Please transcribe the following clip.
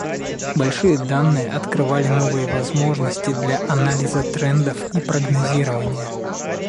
Большие данные открывали новые возможности для анализа трендов и прогнозирования.